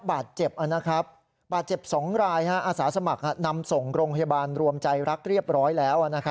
บาดเจ็บนะครับบาดเจ็บ๒รายอาสาสมัครนำส่งโรงพยาบาลรวมใจรักเรียบร้อยแล้ว